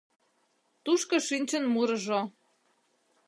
Тушко шинчын мурыжо.